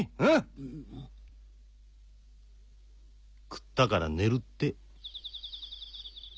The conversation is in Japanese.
食ったから寝るって。